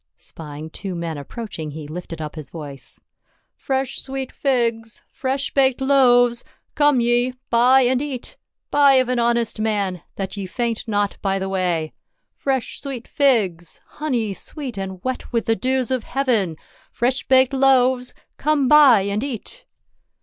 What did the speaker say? Spying two men approaching he lifted up his voice —" Fresh sweet figs ! Fresh baked loaves ! Come ye, buy and eat. Buy of an honest man, that ye faint not by the way. Fresh sweet figs !— honey sweet and wet with the dews of heaven ! Fresh baked loaves ! Come buy and eat